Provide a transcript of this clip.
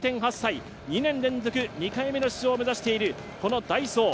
２年連続２回目の出場を目指しているダイソー。